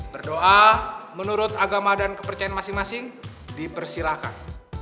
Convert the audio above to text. berdoa menurut agama dan kepercayaan masing masing dipersilahkan